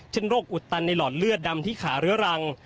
โรคอุดตันในหลอดเลือดดำที่ขาเรื้อรัง